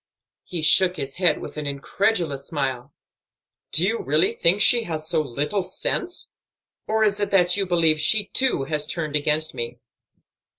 He shook his head with an incredulous smile. "Do you really think she has so little sense? Or is it that you believe she too has turned against me?"